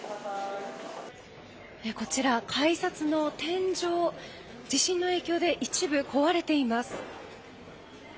こちら、改札の天井地震の影響で一部壊れています。